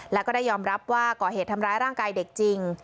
แล้วก็ได้ยอมรับว่าก่อเหตุทำร้ายร่างกายเด็กจริง